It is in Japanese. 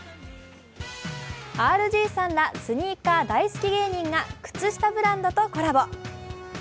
ＲＧさんらスニーカー大好き芸人が靴下ブランドとコラボ。